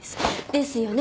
ですよね